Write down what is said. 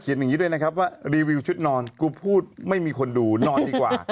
อย่างนี้ด้วยนะครับว่ารีวิวชุดนอนกูพูดไม่มีคนดูนอนดีกว่า